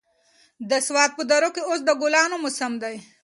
د سوات په درو کې اوس د ګلانو موسم دی.